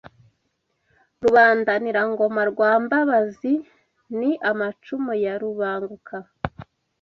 Rubandanira-ngoma rwa Mbabazi ni amacumu ya Rubanguka